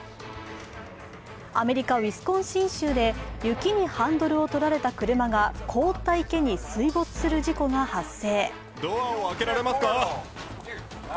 アメリカ・ウィスコンシン州で雪にハンドルを取られた車が凍った池に水没する事故が発生。